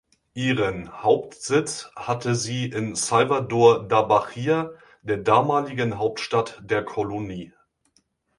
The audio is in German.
Ihren Hauptsitz hatte sie in Salvador da Bahia, der damaligen Hauptstadt der Kolonie.